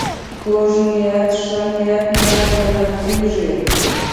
کوږ نیت ښه نیت نه ګڼل کېږي